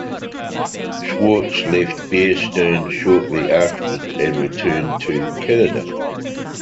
Schwartz left Bear Stearns shortly afterward and returned to Canada.